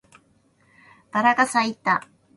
バラが咲いた